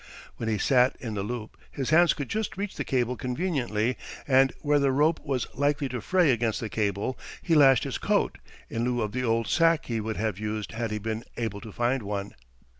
When he sat in the loop his hands could just reach the cable conveniently, and where the rope was likely to fray against the cable he lashed his coat, in lieu of the old sack he would have used had he been able to find one.